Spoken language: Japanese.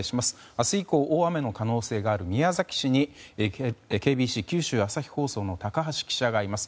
明日以降大雨の可能性がある宮崎市にＫＢＣ九州朝日放送の高橋記者がいます。